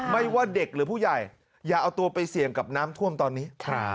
ไม่ว่าเด็กหรือผู้ใหญ่อย่าเอาตัวไปเสี่ยงกับน้ำท่วมตอนนี้